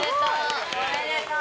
おめでとう！